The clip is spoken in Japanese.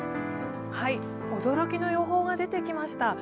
驚きの予報が出てきました。